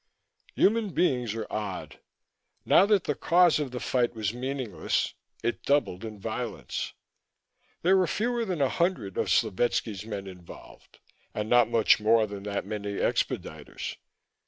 Human beings are odd. Now that the cause of the fight was meaningless, it doubled in violence. There were fewer than a hundred of Slovetski's men involved, and not much more than that many expediters.